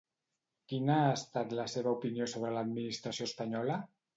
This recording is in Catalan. Quina ha estat la seva opinió sobre l'administració espanyola?